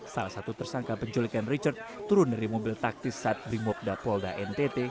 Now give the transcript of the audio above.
salah satu tersangka penculikan richard turun dari mobil taktis saat brimobda polda ntt